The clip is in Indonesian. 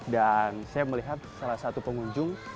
dan saya melihat salah satu pengunjung